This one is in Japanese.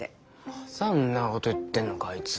まだんなこと言ってんのかあいつ。